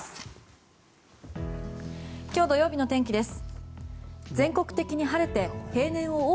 明日日曜日の天気です。